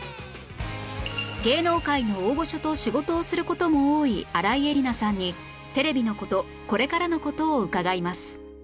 芸能界の大御所と仕事をする事も多い新井恵理那さんにテレビの事これからの事を伺います